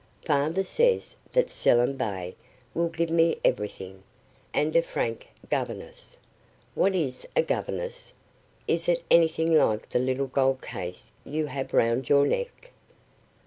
Father says that Selim Bey will give me everything, and a Frank governess. What is a governess? Is it anything like the little gold case you have round your neck?"